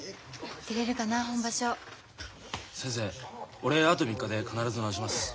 俺あと３日で必ず治します。